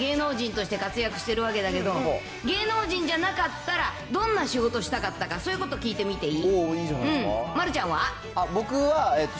きょうはさ、みんな、今、芸能人として活躍してるわけだけど、芸能人じゃなかったら、どんな仕事したかったか、そういうこと聞いてみていい？